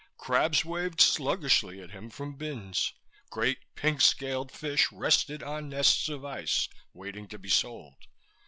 Crabs waved sluggishly at him from bins. Great pink scaled fish rested on nests of ice, waiting to be sold.